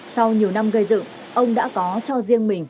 sau nhiều năm gây dựng ông đã có cho riêng mình